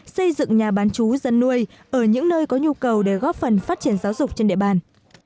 xây dựng nhà bán chú dân nuôi ở những nơi có nhu cầu để góp phần phát triển giáo dục trên địa bàn